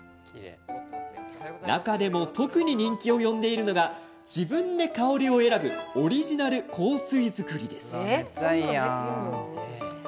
中でも特に人気を呼んでいるのが自分で香りを選ぶオリジナル香水作りです。